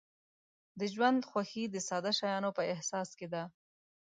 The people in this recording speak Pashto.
د ژوند خوښي د ساده شیانو په احساس کې ده.